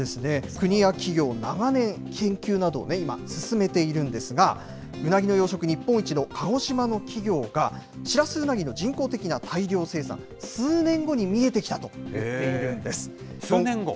国や企業、長年、研究などを今、進めているんですが、ウナギの養殖日本一の鹿児島の企業が、シラスウナギの人工的な大量生産、数年後に見えてきたといっている数年後？